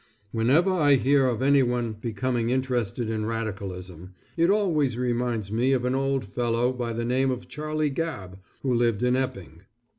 Whenever I hear of anyone becoming interested in radicalism, it always reminds me of an old fellow by the name of Charlie Gabb who lived in Epping.